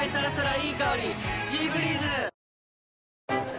いい香り「シーブリーズ」！